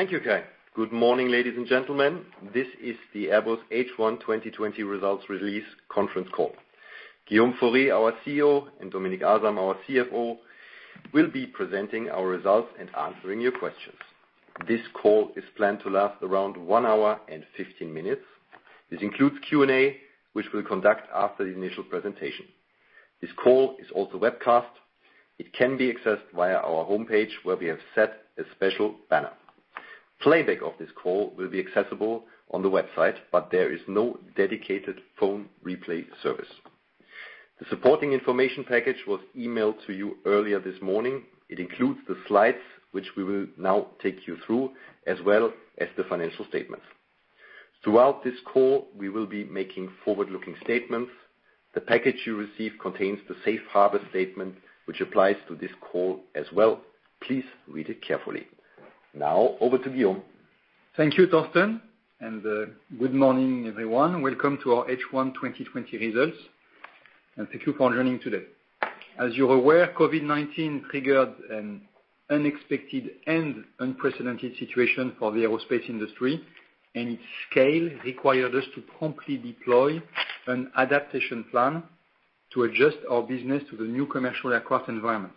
Thank you, Kai. Good morning, ladies and gentlemen. This is the Airbus H1 2020 results release conference call. Guillaume Faury, our CEO, and Dominik Asam, our CFO, will be presenting our results and answering your questions. This call is planned to last around one hour and 15 minutes. This includes Q&A, which we'll conduct after the initial presentation. This call is also webcast. It can be accessed via our homepage, where we have set a special banner. Playback of this call will be accessible on the website, but there is no dedicated phone replay service. The supporting information package was emailed to you earlier this morning. It includes the slides, which we will now take you through, as well as the financial statements. Throughout this call, we will be making forward-looking statements. The package you receive contains the safe harbor statement, which applies to this call as well. Please read it carefully. Now, over to Guillaume. Thank you, Thorsten. Good morning, everyone. Welcome to our H1 2020 results, and thank you for joining today. As you're aware, COVID-19 triggered an unexpected and unprecedented situation for the aerospace industry, and its scale required us to promptly deploy an adaptation plan to adjust our business to the new commercial aircraft environment.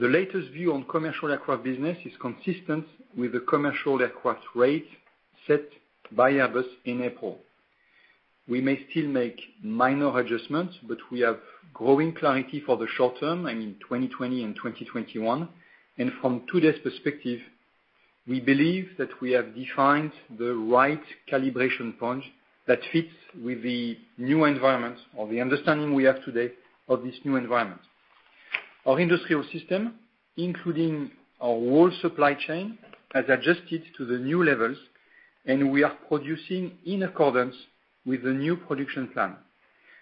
The latest view on commercial aircraft business is consistent with the commercial aircraft rate set by Airbus in April. We may still make minor adjustments. We have growing clarity for the short term and in 2020 and 2021. From today's perspective, we believe that we have defined the right calibration point that fits with the new environment or the understanding we have today of this new environment. Our industrial system, including our whole supply chain, has adjusted to the new levels, and we are producing in accordance with the new production plan.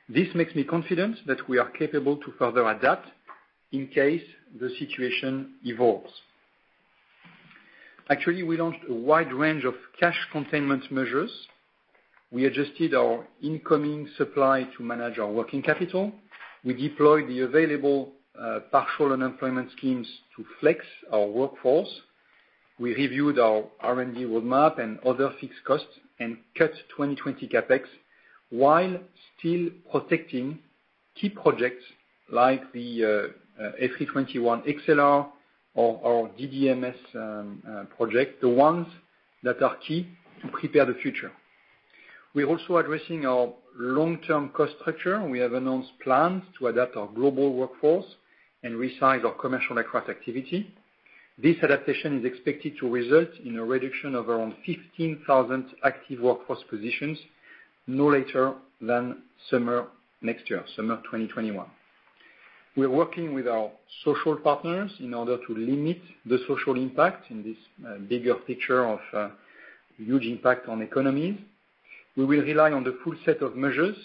This makes me confident that we are capable to further adapt in case the situation evolves. Actually, we launched a wide range of cash containment measures. We adjusted our incoming supply to manage our working capital. We deployed the available partial unemployment schemes to flex our workforce. We reviewed our R&D roadmap and other fixed costs and cut 2020 CapEx while still protecting key projects like the A321XLR or our DDMS project, the ones that are key to prepare the future. We're also addressing our long-term cost structure. We have announced plans to adapt our global workforce and resize our commercial aircraft activity. This adaptation is expected to result in a reduction of around 15,000 active workforce positions no later than summer next year, summer 2021. We are working with our social partners in order to limit the social impact in this bigger picture of a huge impact on economies. We will rely on the full set of measures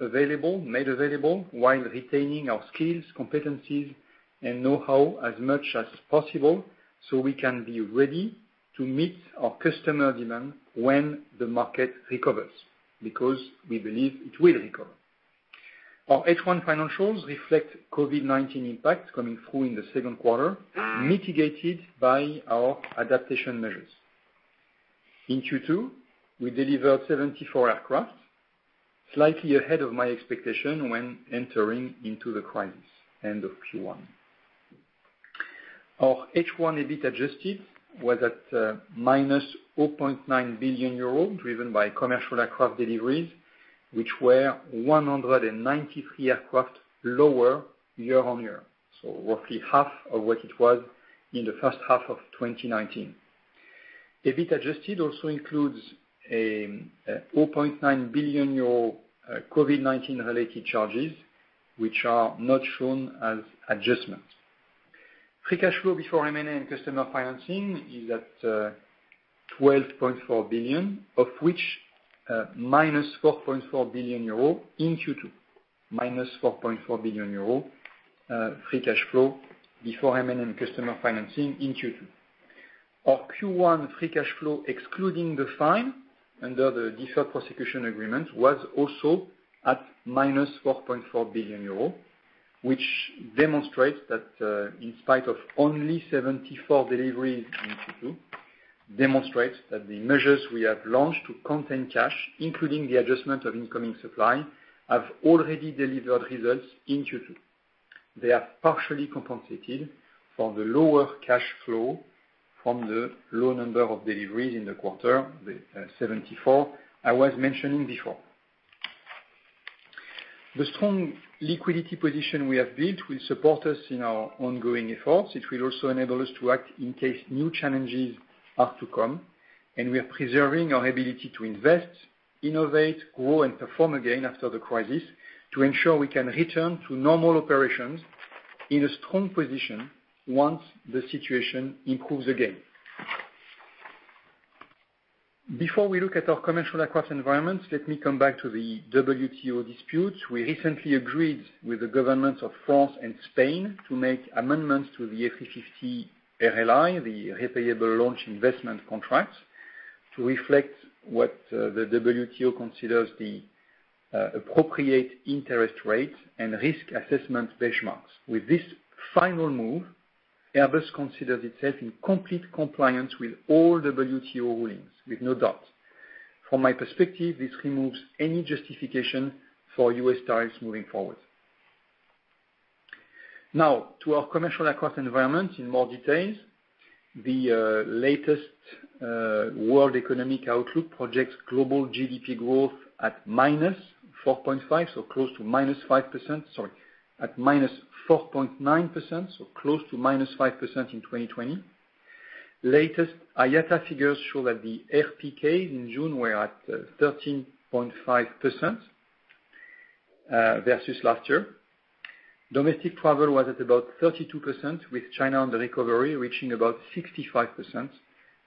made available while retaining our skills, competencies, and know-how as much as possible so we can be ready to meet our customer demand when the market recovers, because we believe it will recover. Our H1 financials reflect COVID-19 impact coming through in the second quarter, mitigated by our adaptation measures. In Q2, we delivered 74 aircraft, slightly ahead of my expectation when entering into the crisis end of Q1. Our H1 EBIT adjusted was at -0.9 billion euros, driven by commercial aircraft deliveries, which were 193 aircraft lower year-on-year. Roughly half of what it was in the first half of 2019. EBIT adjusted also includes 0.9 billion euro COVID-19-related charges, which are not shown as adjustments. Free cash flow before M&A and customer financing is at 12.4 billion, of which -4.4 billion euro in Q2. -4.4 billion euro free cash flow before M&A and customer financing in Q2. Our Q1 free cash flow, excluding the fine under the deferred prosecution agreement, was also at -4.4 billion euro, which demonstrates that in spite of only 74 deliveries in Q2, the measures we have launched to contain cash, including the adjustment of incoming supply, have already delivered results in Q2. They are partially compensated for the lower cash flow from the low number of deliveries in the quarter, the 74 I was mentioning before. The strong liquidity position we have built will support us in our ongoing efforts. It will also enable us to act in case new challenges are to come, and we are preserving our ability to invest, innovate, grow, and perform again after the crisis to ensure we can return to normal operations in a strong position once the situation improves again. Before we look at our commercial aircraft environment, let me come back to the WTO dispute. We recently agreed with the governments of France and Spain to make amendments to the A350 RLI, the Repayable Launch Investment contract, to reflect what the WTO considers the appropriate interest rates and risk assessment benchmarks. With this final move, Airbus considers itself in complete compliance with all WTO rulings, with no doubt. From my perspective, this removes any justification for U.S. tariffs moving forward. Now, to our commercial aircraft environment in more details. The latest world economic outlook projects global GDP growth at -4.5%, so close to -5%. Sorry, at -4.9%, so close to -5% in 2020. Latest IATA figures show that the RPKs in June were at 13.5% versus last year. Domestic travel was at about 32%, with China on the recovery, reaching about 65%,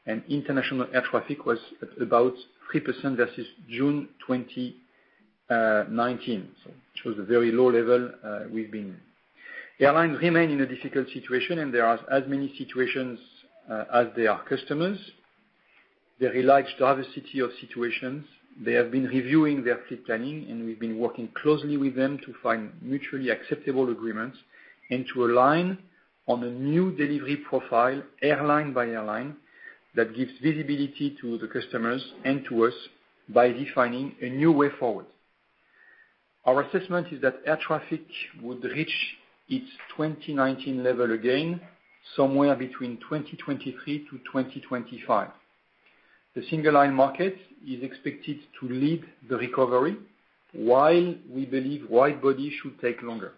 and international air traffic was at about 3% versus June 2019. Which was a very low level we've been. Airlines remain in a difficult situation, and there are as many situations as there are customers. They are large diversity of situations. They have been reviewing their fleet planning, and we've been working closely with them to find mutually acceptable agreements and to align on a new delivery profile, airline by airline, that gives visibility to the customers and to us by defining a new way forward. Our assessment is that air traffic would reach its 2019 level again, somewhere between 2023 to 2025. The single-aisle market is expected to lead the recovery, while we believe wide-body should take longer.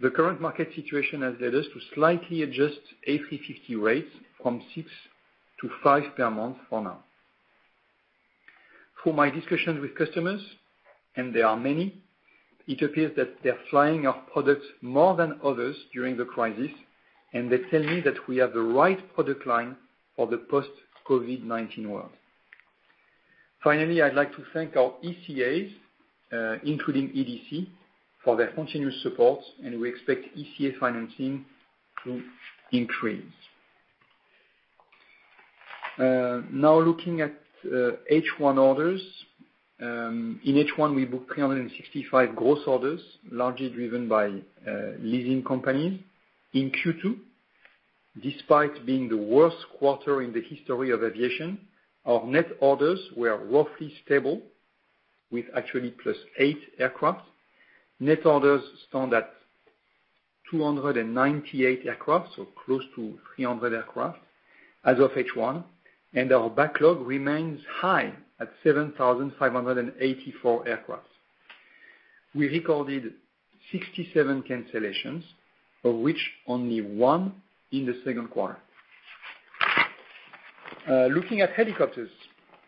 The current market situation has led us to slightly adjust A350 rates from six to five per month for now. Through my discussions with customers, and there are many, it appears that they're flying our products more than others during the crisis, and they tell me that we have the right product line for the post-COVID-19 world. Finally, I'd like to thank our ECAs, including EDC, for their continuous support, and we expect ECA financing to increase. Now looking at H1 orders. In H1, we booked 365 gross orders, largely driven by leasing companies. In Q2, despite being the worst quarter in the history of aviation, our net orders were roughly stable, with actually +8 aircraft. Net orders stand at 298 aircraft, so close to 300 aircraft as of H1, and our backlog remains high at 7,584 aircraft. We recorded 67 cancellations, of which only one in the second quarter. Looking at helicopters.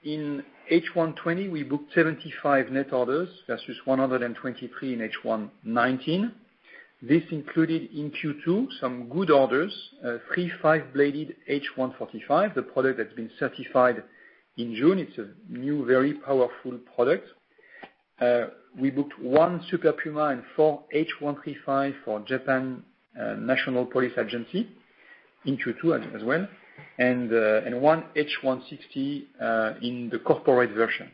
In H1 2020, we booked 75 net orders versus 123 in H1 2019. This included in Q2 some good orders, three five-bladed H145, the product that's been certified in June. It's a new, very powerful product. We booked one Super Puma and four H135 for Japan National Police Agency in Q2 as well, and one H160, in the corporate version.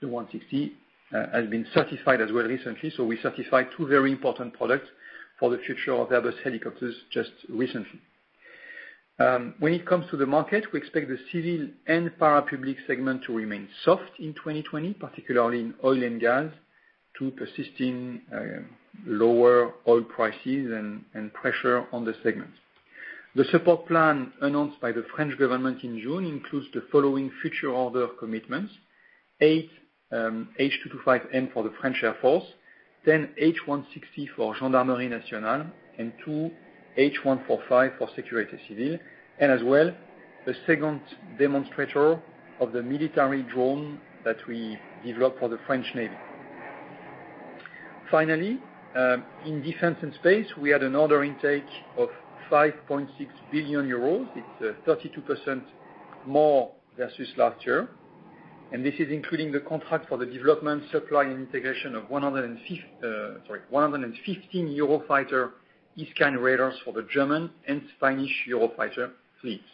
The 160 has been certified as well recently, so we certified two very important products for the future of Airbus Helicopters just recently. When it comes to the market, we expect the civil and parapublic segment to remain soft in 2020, particularly in oil and gas, to persisting lower oil prices and pressure on the segment. The support plan announced by the French government in June includes the following future order commitments: eight H225M for the French Air Force, 10 H160 for Gendarmerie Nationale, and two H145 for Sécurité Civile, and as well, the second demonstrator of the military drone that we developed for the French Navy. In Defence and Space, we had an order intake of 5.6 billion euros. It's 32% more versus last year. This is including the contract for the development, supply, and integration of 115 Eurofighter ESCAN radars for the German and Spanish Eurofighter fleets.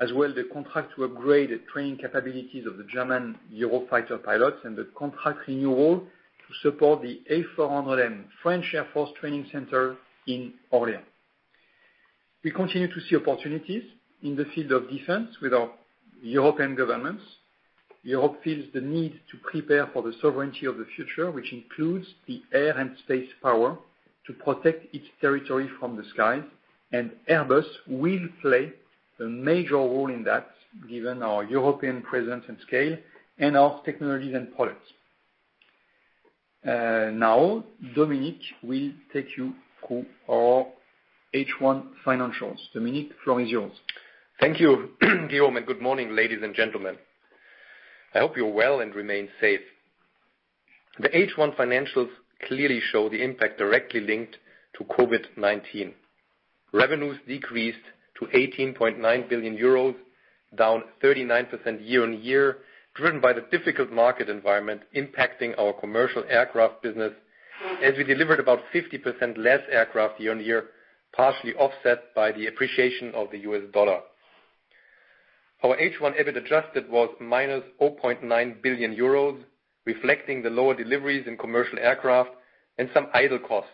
The contract to upgrade the training capabilities of the German Eurofighter pilots and the contract renewal to support the A400M French Air Force training center in Orléans. We continue to see opportunities in the field of Defence with our European governments. Europe feels the need to prepare for the sovereignty of the future, which includes the air and space power to protect its territory from the skies. Airbus will play a major role in that, given our European presence and scale and our technologies and products. Dominik will take you through our H1 financials. Dominik, floor is yours. Thank you, Guillaume, and good morning, ladies and gentlemen. I hope you're well and remain safe. The H1 financials clearly show the impact directly linked to COVID-19. Revenues decreased to 18.9 billion euros, down 39% year-on-year, driven by the difficult market environment impacting our commercial aircraft business as we delivered about 50% less aircraft year-on-year. Partially offset by the appreciation of the U.S. dollar. Our H1 EBIT adjusted was -0.9 billion euros, reflecting the lower deliveries in commercial aircraft and some idle costs.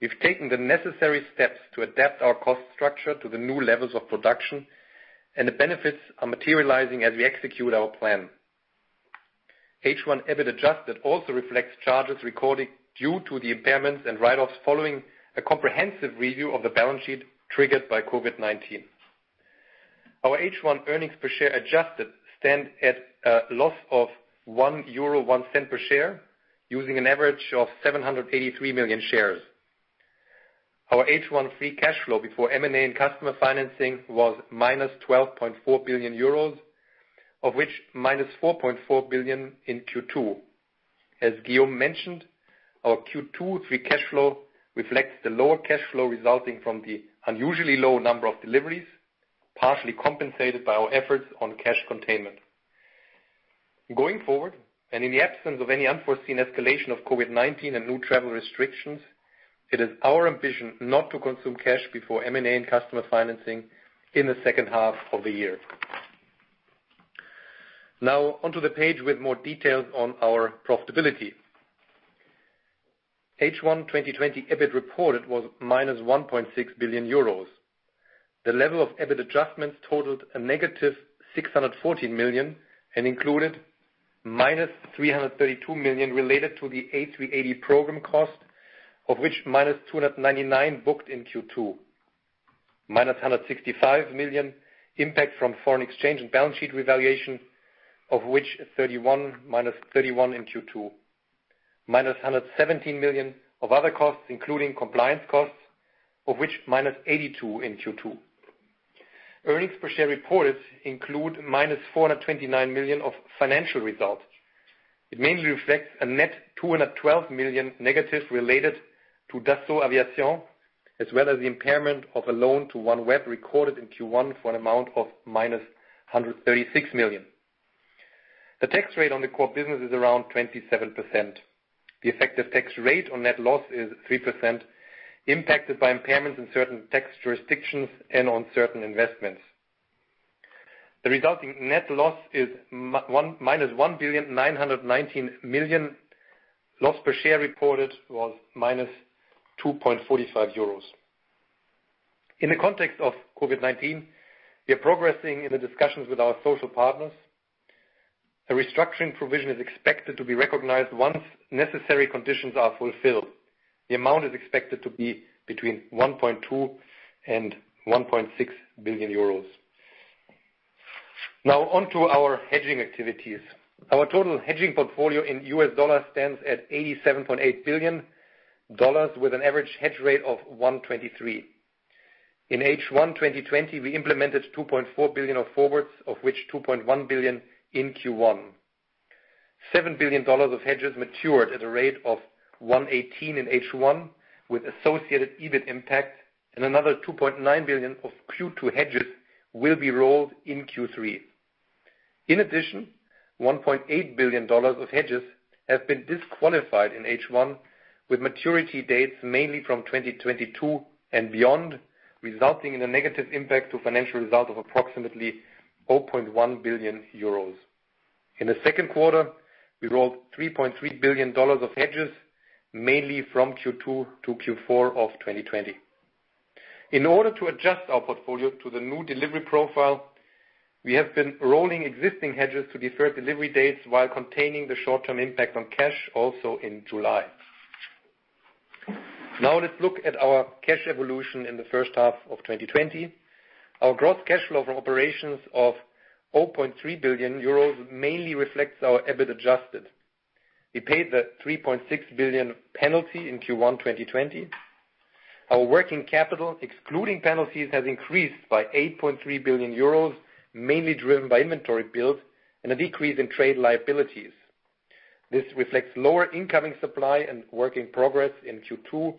We've taken the necessary steps to adapt our cost structure to the new levels of production, and the benefits are materializing as we execute our plan. H1 EBIT adjusted also reflects charges recorded due to the impairments and write-offs following a comprehensive review of the balance sheet triggered by COVID-19. Our H1 earnings per share adjusted stand at a loss of 1.01 euro per share, using an average of 783 million shares. Our H1 free cash flow before M&A and customer financing was -12.4 billion euros, of which -4.4 billion in Q2. As Guillaume mentioned, our Q2 free cash flow reflects the lower cash flow resulting from the unusually low number of deliveries, partially compensated by our efforts on cash containment. In the absence of any unforeseen escalation of COVID-19 and new travel restrictions, it is our ambition not to consume cash before M&A and customer financing in the second half of the year. On to the page with more details on our profitability. H1 2020 EBIT reported was -1.6 billion euros. The level of EBIT adjustments totaled a -614 million and included -332 million related to the A380 program cost, of which -299 million booked in Q2. -165 million impact from foreign exchange and balance sheet revaluation, of which -31 million in Q2. -117 million of other costs, including compliance costs, of which -82 million in Q2. Earnings per share reported include -429 million of financial results. It mainly reflects a net 212 million negative related to Dassault Aviation, as well as the impairment of a loan to OneWeb recorded in Q1 for an amount of -136 million. The tax rate on the core business is around 27%. The effective tax rate on net loss is 3%, impacted by impairments in certain tax jurisdictions and on certain investments. The resulting net loss is -1,919,000,000. Loss per share reported was -2.45 euros. In the context of COVID-19, we are progressing in the discussions with our social partners. A restructuring provision is expected to be recognized once necessary conditions are fulfilled. The amount is expected to be between 1.2 billion and 1.6 billion euros. Now on to our hedging activities. Our total hedging portfolio in U.S. dollar stands at $87.8 billion, with an average hedge rate of 123. In H1 2020, we implemented 2.4 billion of forwards, of which 2.1 billion in Q1. EUR 7 billion of hedges matured at a rate of 118 in H1, with associated EBIT impact, and another 2.9 billion of Q2 hedges will be rolled in Q3. In addition, EUR 1.8 billion of hedges have been disqualified in H1, with maturity dates mainly from 2022 and beyond, resulting in a negative impact to financial result of approximately 0.1 billion euros. In the second quarter, we rolled $3.3 billion of hedges, mainly from Q2 to Q4 of 2020. In order to adjust our portfolio to the new delivery profile, we have been rolling existing hedges to deferred delivery dates while containing the short-term impact on cash, also in July. Now let's look at our cash evolution in the first half of 2020. Our gross cash flow from operations of 0.3 billion euros mainly reflects our EBIT adjusted. We paid the 3.6 billion penalty in Q1 2020. Our working capital, excluding penalties, has increased by 8.3 billion euros, mainly driven by inventory build and a decrease in trade liabilities. This reflects lower incoming supply and work in progress in Q2,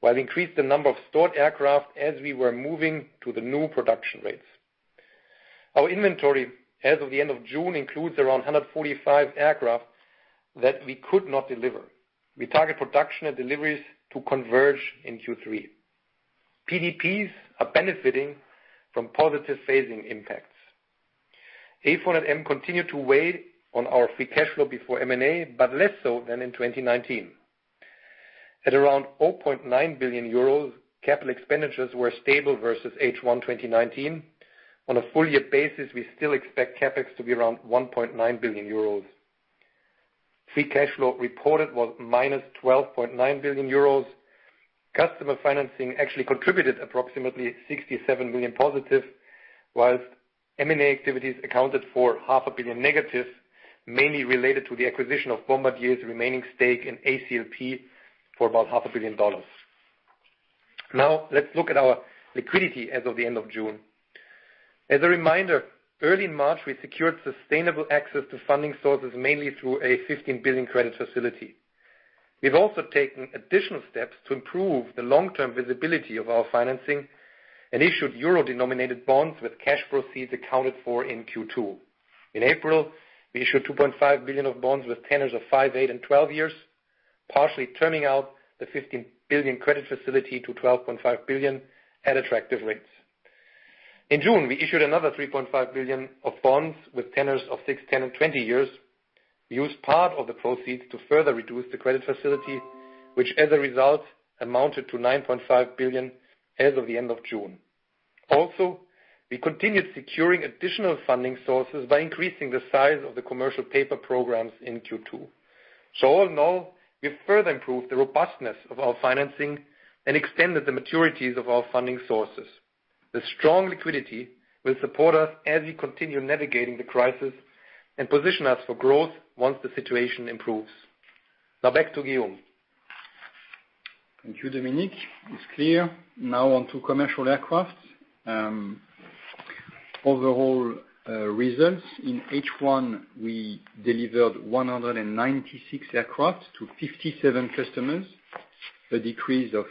while increased the number of stored aircraft as we were moving to the new production rates. Our inventory as of the end of June includes around 145 aircraft that we could not deliver. We target production and deliveries to converge in Q3. PDPs are benefiting from positive phasing impacts. A400M continued to weigh on our free cash flow before M&A, but less so than in 2019. At around 0.9 billion euros, capital expenditures were stable versus H1 2019. On a full-year basis, we still expect CapEx to be around 1.9 billion euros. Free cash flow reported was -12.9 billion euros. Customer financing actually contributed approximately +67 million, whilst M&A activities accounted for -0.5 billion, mainly related to the acquisition of Bombardier's remaining stake in ACLP for about $0.5 billion. Let's look at our liquidity as of the end of June. As a reminder, early in March, we secured sustainable access to funding sources mainly through a 15 billion credit facility. We've also taken additional steps to improve the long-term visibility of our financing and issued euro-denominated bonds with cash proceeds accounted for in Q2. In April, we issued 2.5 billion of bonds with tenures of five, eight, and 12 years, partially turning out the 15 billion credit facility to 12.5 billion at attractive rates. In June, we issued another 3.5 billion of bonds with tenures of six, 10, and 20 years. We used part of the proceeds to further reduce the credit facility, which, as a result, amounted to 9.5 billion as of the end of June. We continued securing additional funding sources by increasing the size of the commercial paper programs in Q2. All in all, we have further improved the robustness of our financing and extended the maturities of our funding sources. The strong liquidity will support us as we continue navigating the crisis and position us for growth once the situation improves. Now back to Guillaume. Thank you, Dominik. It's clear. On to commercial aircraft. Overall results. In H1, we delivered 196 aircraft to 57 customers, a decrease of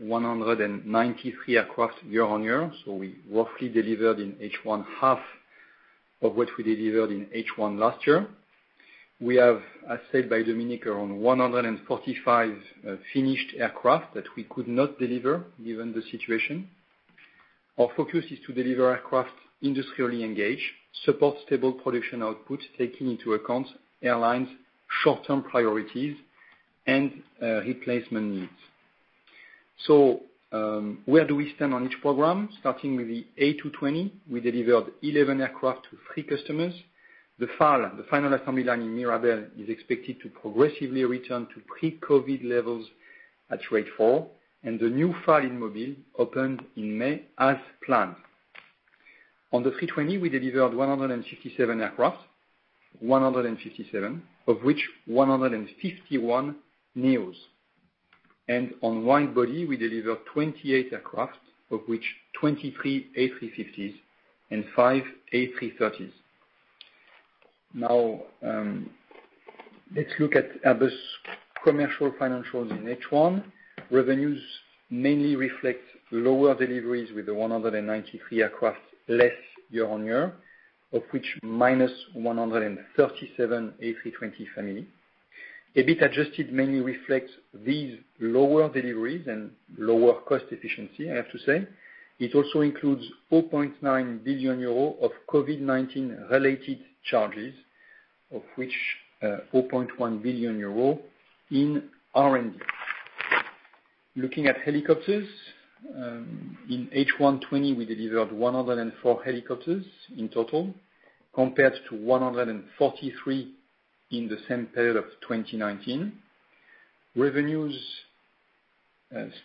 193 aircraft year-on-year. We roughly delivered in H1 half of what we delivered in H1 last year. We have, as said by Dominik, around 145 finished aircraft that we could not deliver, given the situation. Our focus is to deliver aircraft industrially engaged, support stable production output, taking into account airlines' short-term priorities and replacement needs. Where do we stand on each program? Starting with the A220, we delivered 11 aircraft to three customers. The FAL, the final assembly line in Mirabel, is expected to progressively return to pre-COVID-19 levels at rate 4, and the new FAL in Mobile opened in May as planned. On the A320, we delivered 167 aircraft, 157 of which 151 neos. On wide-body, we delivered 28 aircraft, of which 23 A350s and five A330s. Now, let's look at Airbus commercial financials in H1. Revenues mainly reflect lower deliveries with the 193 aircraft, less year-on-year, of which -137 A320 family. EBIT adjusted mainly reflects these lower deliveries and lower cost efficiency, I have to say. It also includes 4.9 billion euro of COVID-19-related charges, of which 4.1 billion euro in R&D. Looking at helicopters. In H1 2020, we delivered 104 helicopters in total compared to 143 in the same period of 2019. Revenues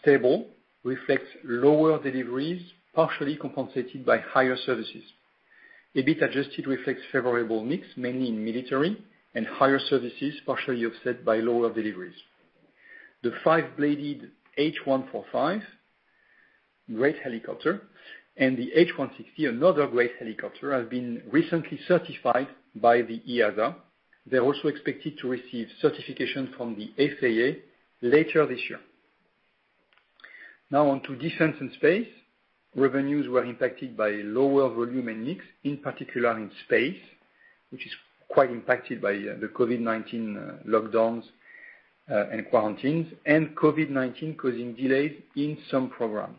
stable, reflects lower deliveries, partially compensated by higher services. EBIT adjusted reflects favorable mix, mainly in military and higher services, partially offset by lower deliveries. The five-bladed H145, great helicopter, and the H160, another great helicopter, have been recently certified by the EASA. They're also expected to receive certification from the FAA later this year. Now on to Defence and Space. Revenues were impacted by lower volume and mix, in particular in Space, which is quite impacted by the COVID-19 lockdowns, and quarantines, and COVID-19, causing delays in some programs.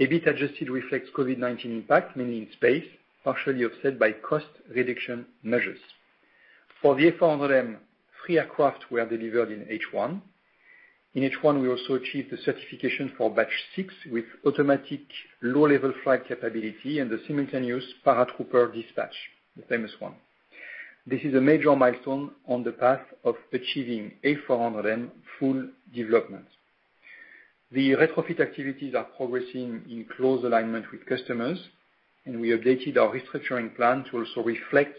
EBIT adjusted reflects COVID-19 impact, mainly in Space, partially offset by cost reduction measures. For the A400M, three aircraft were delivered in H1. In H1, we also achieved the certification for Batch 6 with automatic low-level flight capability and the simultaneous paratrooper dispatch, the famous one. This is a major milestone on the path of achieving A400M full development. The retrofit activities are progressing in close alignment with customers, and we updated our restructuring plan to also reflect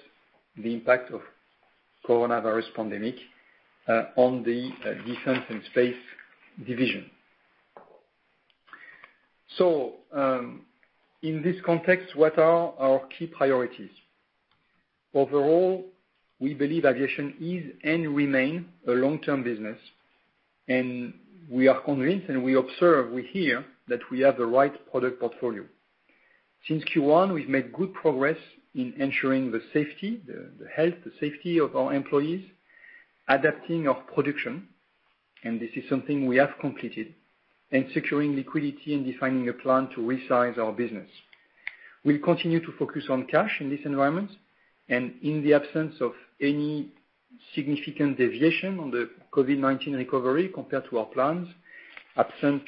the impact of coronavirus pandemic on the Defence and Space division. In this context, what are our key priorities? Overall, we believe aviation is and remain a long-term business. We are convinced and we observe. We hear that we have the right product portfolio. Since Q1, we've made good progress in ensuring the safety, the health, the safety of our employees, adapting our production, and this is something we have completed, and securing liquidity and defining a plan to resize our business. We'll continue to focus on cash in this environment and in the absence of any significant deviation on the COVID-19 recovery compared to our plans, absent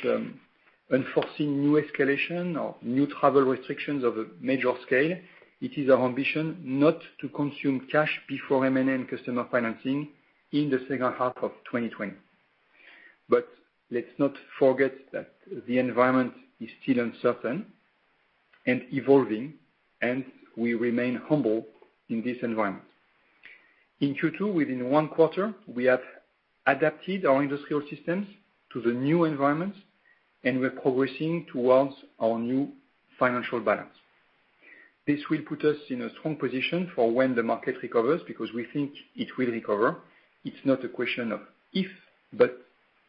unforeseen new escalation or new travel restrictions of a major scale, it is our ambition not to consume cash before M&A customer financing in the second half of 2020. Let's not forget that the environment is still uncertain and evolving, and we remain humble in this environment. In Q2, within one quarter, we have adapted our industrial systems to the new environment, and we're progressing towards our new financial balance. This will put us in a strong position for when the market recovers because we think it will recover. It's not a question of if, but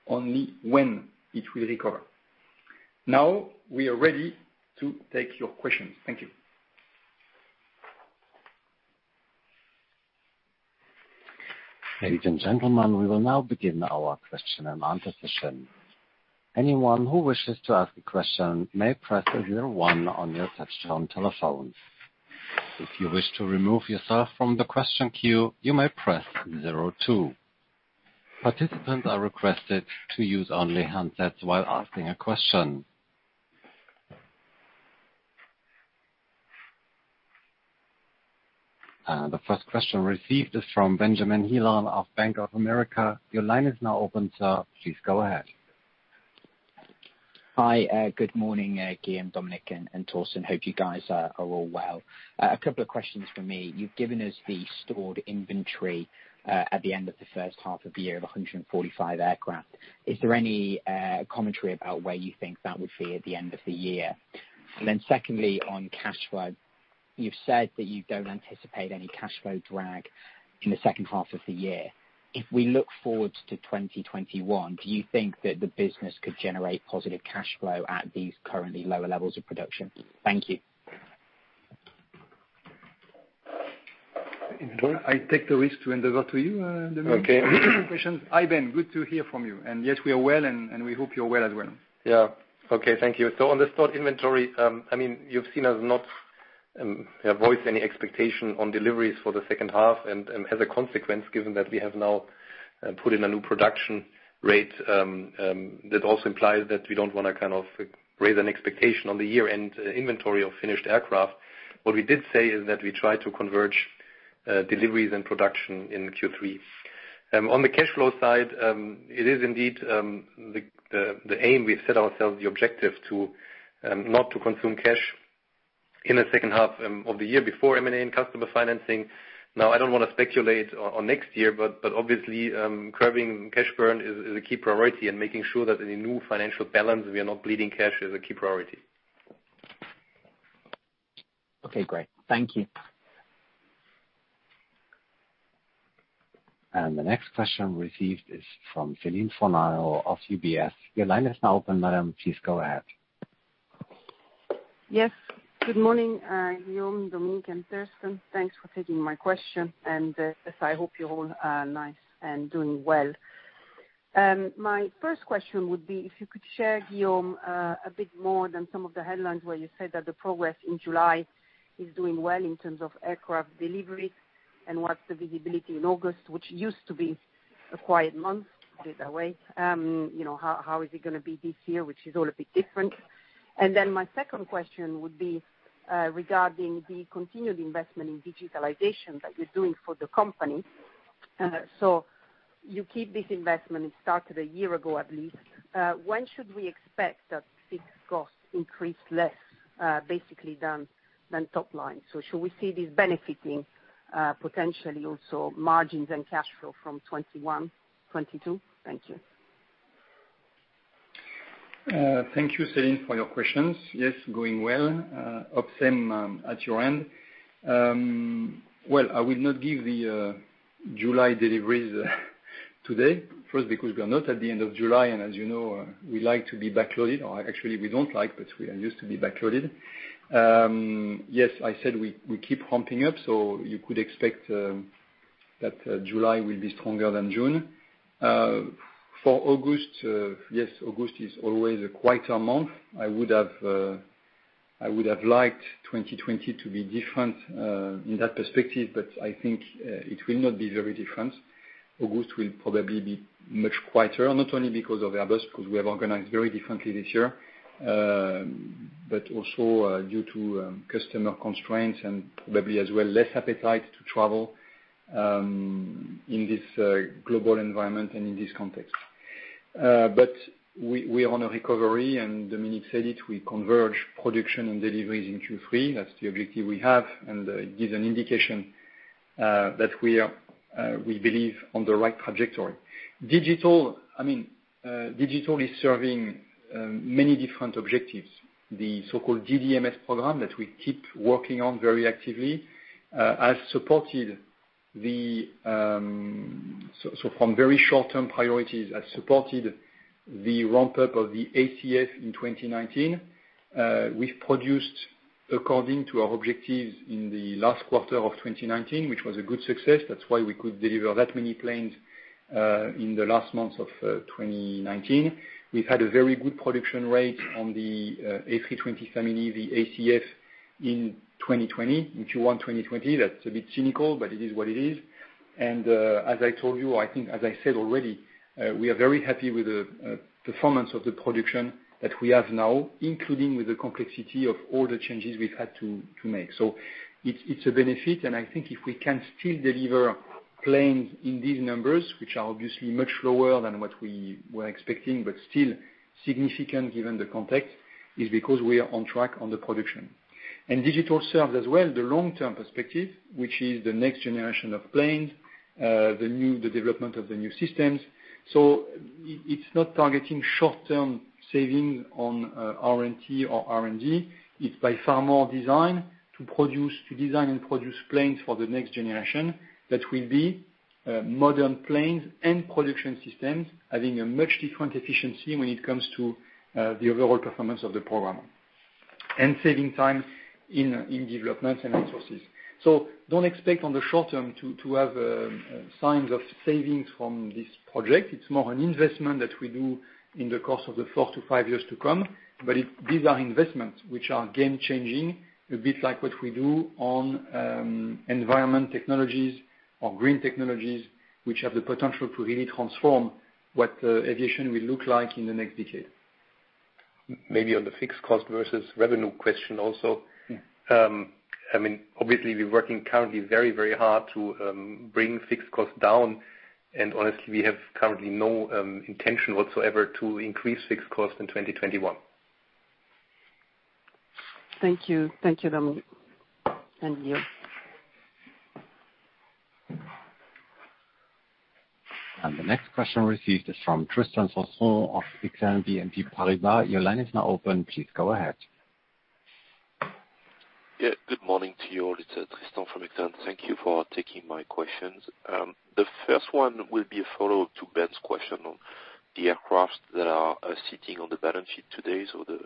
only when it will recover. We are ready to take your questions. Thank you. Ladies and gentlemen, we will now begin our question-and-answer session. Anyone who wishes to ask a question may press zero one on your touch-tone telephones. If you wish to remove yourself from the question queue, you may press zero two. Participants are requested to use only handsets while asking a question. The first question received is from Benjamin Heelan of Bank of America. Your line is now open, sir. Please go ahead. Hi, good morning Guillaume, Dominik, and Thorsten. Hope you guys are all well. A couple of questions from me. You've given us the stored inventory, at the end of the first half of the year, of 145 aircraft. Is there any commentary about where you think that would be at the end of the year? Secondly, on cash flow, you've said that you don't anticipate any cash flow drag in the second half of the year. If we look forward to 2021, do you think that the business could generate positive cash flow at these currently lower levels of production? Thank you. I take the risk to hand over to you, Dominik. Okay. Hi, Ben. Good to hear from you. Yes, we are well, and we hope you're well as well. Yeah. Okay. Thank you. On the stored inventory, you've seen us not voice any expectation on deliveries for the second half, and as a consequence, given that we have now put in a new production rate, that also implies that we don't want to raise an expectation on the year-end inventory of finished aircraft. On the cash flow side, it is indeed the aim we've set ourselves the objective to not consume cash in the second half of the year before M&A and customer financing. I don't want to speculate on next year, obviously, curbing cash burn is a key priority, and making sure that in a new financial balance, we are not bleeding cash is a key priority. Okay, great. Thank you. The next question received is from Celine Fornaro of UBS. Your line is now open, madam. Please go ahead. Yes. Good morning, Guillaume, Dominik, and Thorsten. Thanks for taking my question. As I hope you're all nice and doing well. My first question would be if you could share, Guillaume, a bit more than some of the headlines where you said that the progress in July is doing well in terms of aircraft delivery. What's the visibility in August, which used to be a quiet month, by the way? How is it going to be this year, which is all a bit different? My second question would be regarding the continued investment in digitalization that you're doing for the company. You keep this investment it started a year ago at least. When should we expect that these costs increase less basically than top line? Should we see this benefiting potentially also margins and cash flow from 2021, 2022? Thank you. Thank you, Celine, for your questions. Yes, going well. Hope same at your end. Well, I will not give the July deliveries today. First, because we are not at the end of July, and as you know, we like to be backloaded. Actually, we don't like, but we are used to be backloaded. Yes, I said we keep ramping up, so you could expect that July will be stronger than June. For August, yes, August is always a quieter month. I would have liked 2020 to be different in that perspective, but I think it will not be very different. August will probably be much quieter, not only because of Airbus, because we have organized very differently this year, but also due to customer constraints and probably as well less appetite to travel in this global environment and in this context. We are on a recovery, and Dominik said it, we converge production and deliveries in Q3. That's the objective we have, and it gives an indication that we believe on the right trajectory. Digital is serving many different objectives. The so-called DDMS program that we keep working on very actively has supported the ramp-up of the ACF in 2019. We've produced according to our objectives in the last quarter of 2019, which was a good success. That's why we could deliver that many planes in the last months of 2019. We've had a very good production rate on the A320 family, the ACF in 2020. If you want 2020, that's a bit cynical, but it is what it is. As I told you, I think as I said already, we are very happy with the performance of the production that we have now, including with the complexity of all the changes we've had to make. It's a benefit, and I think if we can still deliver planes in these numbers, which are obviously much lower than what we were expecting, but still significant given the context, is because we are on track on the production. Digital serves as well the long-term perspective, which is the next generation of planes, the development of the new systems. It's not targeting short-term savings on R&T or R&D. It's by far more design to design and produce planes for the next generation that will be modern planes and production systems having a much different efficiency when it comes to the overall performance of the program and saving time in developments and resources. Don't expect on the short term to have signs of savings from this project. It's more an investment that we do in the course of the four to five years to come. These are investments which are game-changing, a bit like what we do on environment technologies or green technologies, which have the potential to really transform what aviation will look like in the next decade. Maybe on the fixed cost versus revenue question also. Obviously, we're working currently very hard to bring fixed costs down, and honestly, we have currently no intention whatsoever to increase fixed costs in 2021. Thank you, Dominik and Guillaume. The next question received is from Tristan Sanson of Exane BNP Paribas. Your line is now open. Please go ahead. Good morning to you all. It is Tristan from Exane. Thank you for taking my questions. The first one will be a follow-up to Ben's question on the aircraft that are sitting on the balance sheet today, the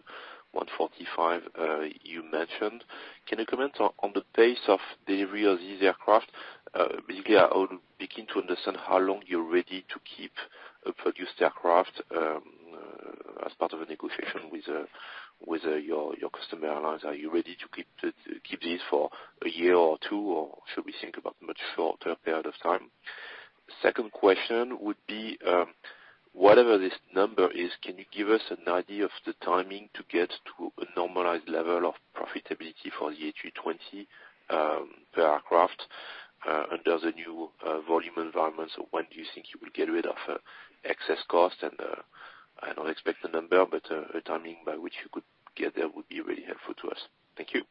145 you mentioned. Can you comment on the pace of delivery of these aircraft? Basically, I would begin to understand how long you are ready to keep a produced aircraft, as part of a negotiation with your customer airlines. Are you ready to keep this for a year or two, or should we think about much shorter period of time? Second question would be, whatever this number is, can you give us an idea of the timing to get to a normalized level of profitability for the A320 per aircraft, under the new volume environment? When do you think you will get rid of excess cost and I don't expect a number, but a timing by which you could get there would be really helpful to us. Thank you.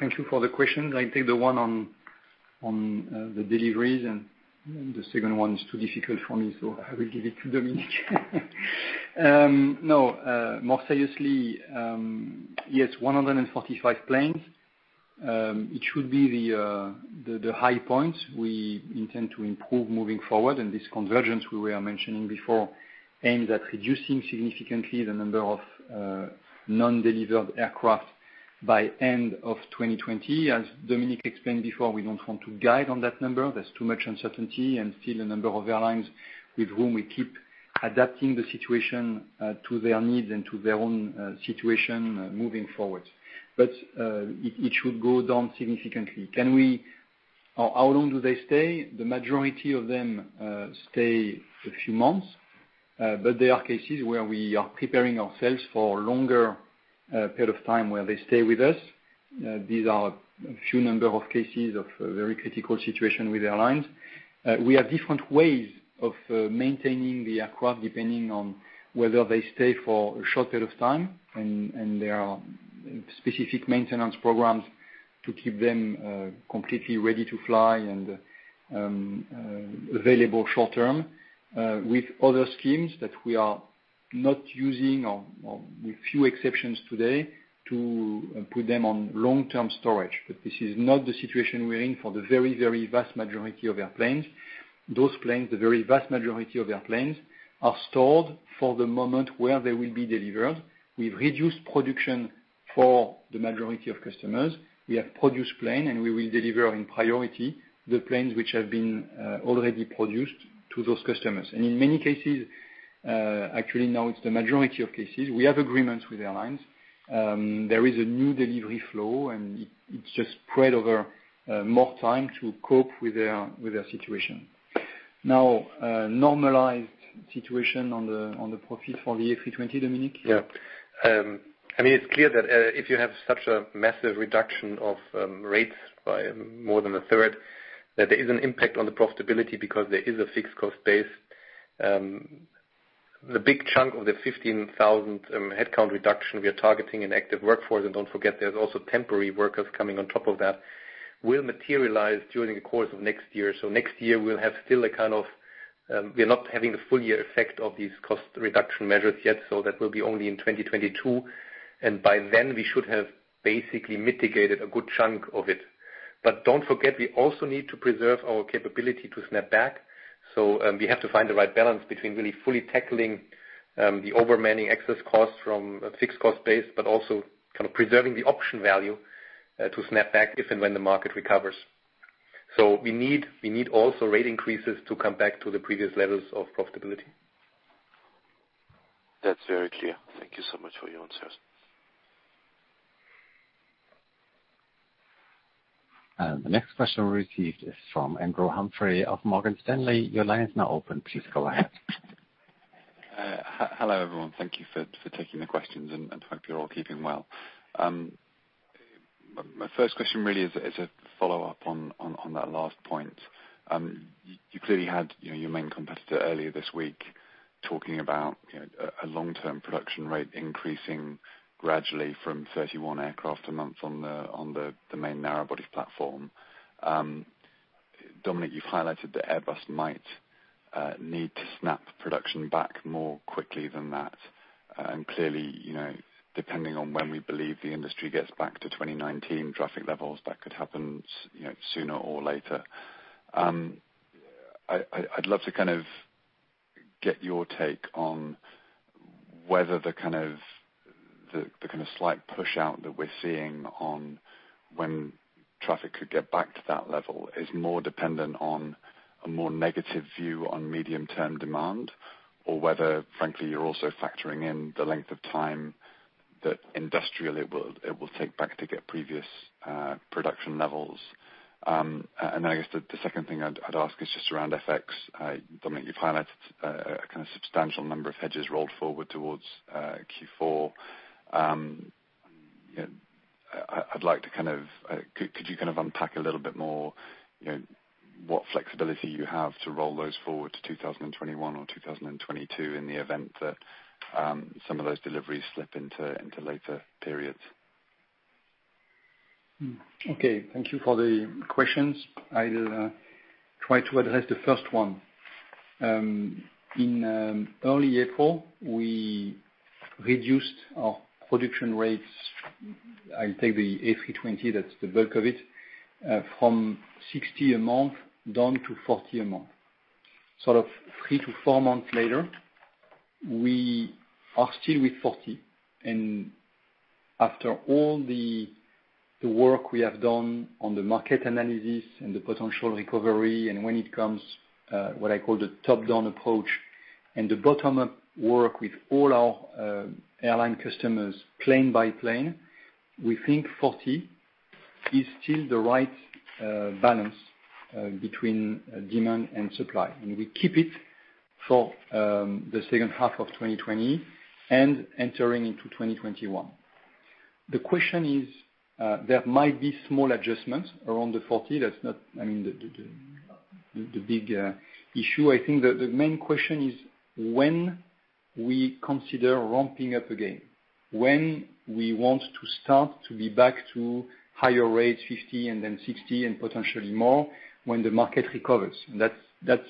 Thank you for the question. I take the one on the deliveries, and the second one is too difficult for me, so I will give it to Dominik. More seriously. Yes, 145 planes. It should be the high points we intend to improve moving forward in this convergence we were mentioning before, aimed at reducing significantly the number of non-delivered aircraft by end of 2020. As Dominik explained before, we don't want to guide on that number. There's too much uncertainty and still a number of airlines with whom we keep adapting the situation to their needs and to their own situation moving forward. It should go down significantly. How long do they stay? The majority of them stay a few months. There are cases where we are preparing ourselves for a longer period of time, where they stay with us. These are a few number of cases of a very critical situation with airlines. We have different ways of maintaining the aircraft depending on whether they stay for a short period of time, and there are specific maintenance programs to keep them completely ready to fly and available short-term, with other schemes that we are not using, or with few exceptions today, to put them on long-term storage. This is not the situation we're in for the very vast majority of our planes. Those planes, the very vast majority of our planes, are stored for the moment where they will be delivered. We've reduced production for the majority of customers. We have produced planes, and we will deliver in priority the planes which have been already produced to those customers. In many cases, actually, now it's the majority of cases, we have agreements with airlines. There is a new delivery flow, and it's just spread over more time to cope with their situation. Now, normalized situation on the profit for the A320, Dominik? It's clear that if you have such a massive reduction of rates by more than a third, that there is an impact on the profitability because there is a fixed cost base. The big chunk of the 15,000 headcount reduction we are targeting in active workforce, and don't forget, there's also temporary workers coming on top of that, will materialize during the course of next year. Next year we'll have still a kind of, we're not having the full year effect of these cost reduction measures yet. That will be only in 2022, and by then, we should have basically mitigated a good chunk of it. Don't forget, we also need to preserve our capability to snap back. We have to find the right balance between really fully tackling the overmanning excess cost from a fixed cost base, but also preserving the option value to snap back if and when the market recovers. We need also rate increases to come back to the previous levels of profitability. That's very clear. Thank you so much for your answers. The next question received is from Andrew Humphrey of Morgan Stanley. Your line is now open. Please go ahead. Hello, everyone. Thank you for taking the questions. Hope you're all keeping well. My first question really is a follow-up on that last point. You clearly had your main competitor earlier this week talking about a long-term production rate increasing gradually from 31 aircraft a month on the main narrow-body platform. Dominik, you highlighted that Airbus might need to snap production back more quickly than that. Clearly, depending on when we believe the industry gets back to 2019 traffic levels, that could happen sooner or later. I'd love to get your take on whether the kind of slight push-out that we're seeing on when traffic could get back to that level is more dependent on a more negative view on medium-term demand, or whether, frankly, you're also factoring in the length of time that industrially it will take back to get previous production levels. I guess the second thing I'd ask is just around FX. Dominik, you've highlighted a kind of substantial number of hedges rolled forward towards Q4. Could you unpack a little bit more what flexibility you have to roll those forward to 2021 or 2022 in the event that some of those deliveries slip into later periods? Okay. Thank you for the questions. I'll try to address the first one. In early April, we reduced our production rates. I'll take the A320, that's the bulk of it, from 60 a month down to 40 a month. Sort of three to four months later, we are still with 40. After all the work we have done on the market analysis and the potential recovery, and when it comes, what I call the top-down approach, and the bottom-up work with all our airline customers, plane by plane, we think 40 is still the right balance between demand and supply. We keep it for the second half of 2020 and entering into 2021. The question is, there might be small adjustments around the 40. That's not the big issue. I think that the main question is when we consider ramping up again. When we want to start to be back to higher rates, 50 and then 60, and potentially more, when the market recovers. That's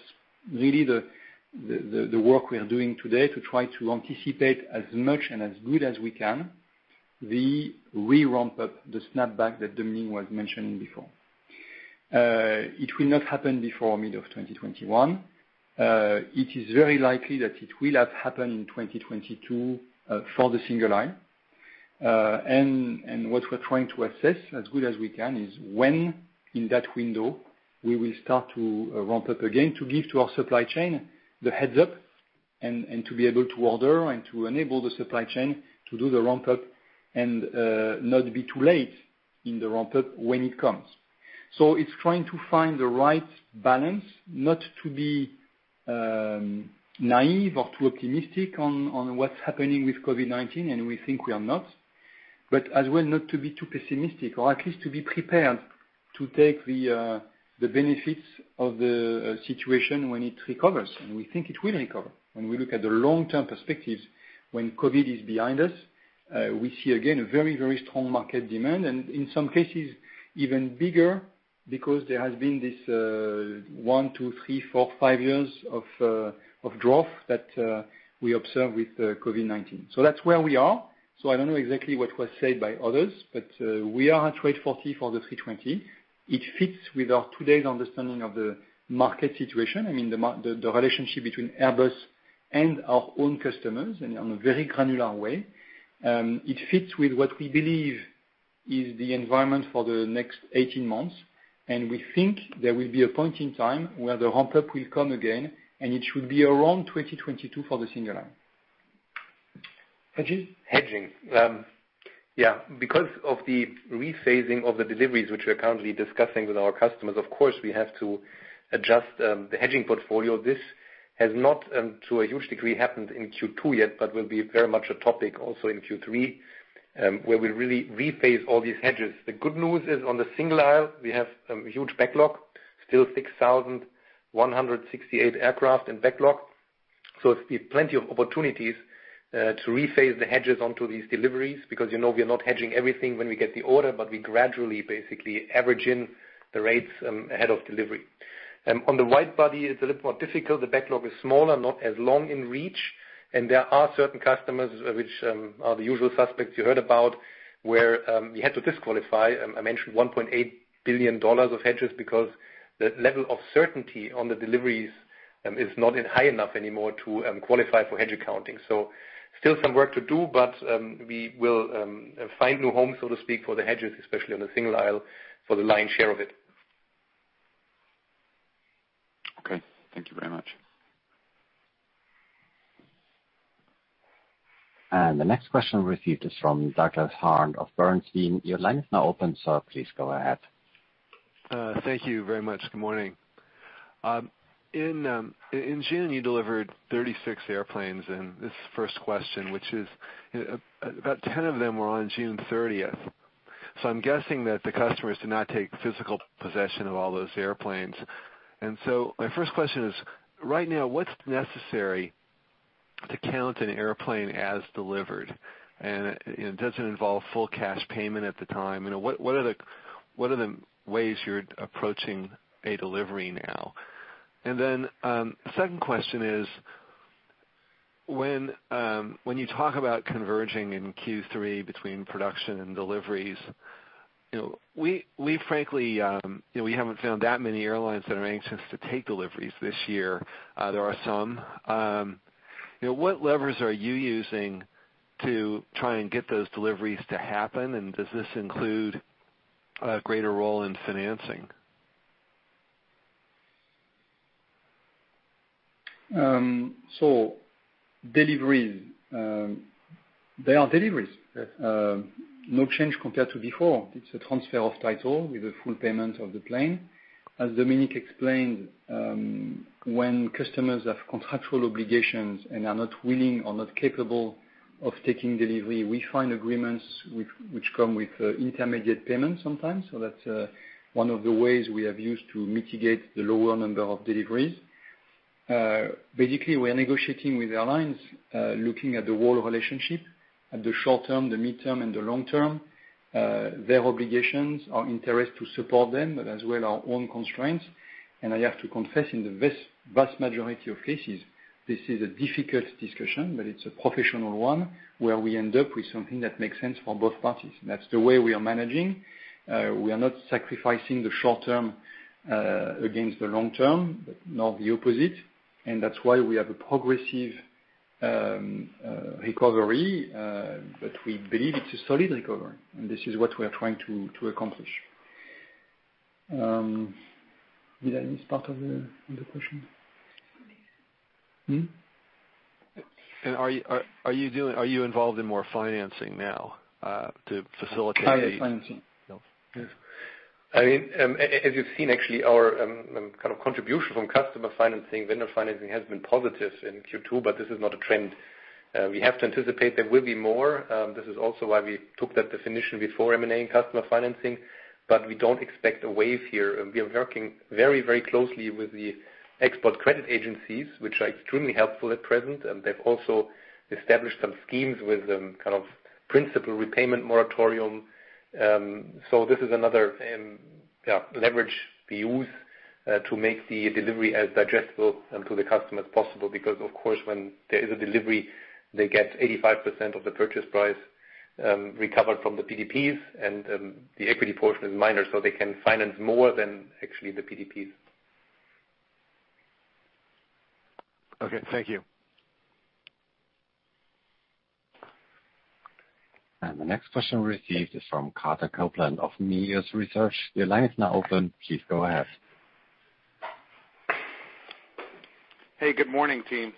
really the work we are doing today to try to anticipate as much and as good as we can the re-ramp-up, the snap back that Dominik was mentioning before. It will not happen before mid of 2021. It is very likely that it will have happened in 2022 for the single aisle. What we're trying to assess, as good as we can, is when in that window we will start to ramp up again, to give to our supply chain the heads-up, and to be able to order and to enable the supply chain to do the ramp-up and not be too late in the ramp-up when it comes. It's trying to find the right balance, not to be naive or too optimistic on what's happening with COVID-19, and we think we are not, but as well not to be too pessimistic or at least to be prepared to take the benefits of the situation when it recovers, and we think it will recover. When we look at the long-term perspectives, when COVID is behind us, we see again a very strong market demand, and in some cases, even bigger because there has been this one, two, three, four, five years of drought that we observe with COVID-19. That's where we are. I don't know exactly what was said by others, but we are at rate 40 for the A320. It fits with our today's understanding of the market situation. I mean, the relationship between Airbus and our own customers and on a very granular way. It fits with what we believe is the environment for the next 18 months, and we think there will be a point in time where the ramp-up will come again, and it should be around 2022 for the single aisle. Hedging? Hedging. Yeah. Of the rephasing of the deliveries, which we are currently discussing with our customers, of course, we have to adjust the hedging portfolio. This has not, to a huge degree, happened in Q2 yet, but will be very much a topic also in Q3, where we really rephase all these hedges. The good news is on the single-aisle, we have a huge backlog, still 6,168 aircraft in backlog. Plenty of opportunities to rephase the hedges onto these deliveries, because you know we are not hedging everything when we get the order, but we gradually basically average in the rates ahead of delivery. On the wide-body, it is a little more difficult. The backlog is smaller, not as long in reach, and there are certain customers which are the usual suspects you heard about, where we had to disqualify. I mentioned EUR 1.8 billion of hedges because the level of certainty on the deliveries is not high enough anymore to qualify for hedge accounting. Still some work to do, but we will find new homes, so to speak, for the hedges, especially on the single aisle for the lion's share of it. Okay. Thank you very much. The next question received is from Douglas Harned of Bernstein. Your line is now open, so please go ahead. Thank you very much. Good morning. In June, you delivered 36 airplanes. 10 of them were on June 30th. I'm guessing that the customers did not take physical possession of all those airplanes. My first question is, right now, what's necessary to count an airplane as delivered, and it doesn't involve full cash payment at the time. What are the ways you're approaching a delivery now? Second question is, when you talk about converging in Q3 between production and deliveries, we frankly haven't found that many airlines that are anxious to take deliveries this year. There are some. What levers are you using to try and get those deliveries to happen? Does this include a greater role in financing? Deliveries. They are deliveries. No change compared to before. It's a transfer of title with a full payment of the plane. As Dominik explained, when customers have contractual obligations and are not willing or not capable of taking delivery, we find agreements which come with intermediate payments sometimes. That's one of the ways we have used to mitigate the lower number of deliveries. Basically, we are negotiating with airlines, looking at the whole relationship at the short term, the midterm, and the long term, their obligations, our interest to support them, but as well our own constraints. I have to confess, in the vast majority of cases, this is a difficult discussion, but it's a professional one where we end up with something that makes sense for both parties. That's the way we are managing. We are not sacrificing the short term against the long term, nor the opposite. That's why we have a progressive recovery. We believe it's a solid recovery, and this is what we are trying to accomplish. Did I miss part of the question? Are you involved in more financing now to facilitate the. Financing. Yes. As you've seen, actually, our contribution from customer financing, vendor financing, has been positive in Q2. This is not a trend. We have to anticipate there will be more. This is also why we took that definition before M&A customer financing. We don't expect a wave here. We are working very closely with the Export Credit Agencies, which are extremely helpful at present, and they've also established some schemes with principal repayment moratorium. This is another leverage we use to make the delivery as digestible to the customer as possible, because of course, when there is a delivery, they get 85% of the purchase price recovered from the PDPs, and the equity portion is minor, so they can finance more than actually the PDPs. Okay. Thank you. The next question received is from Carter Copeland of Melius Research. Your line is now open. Please go ahead. Hey, good morning, team.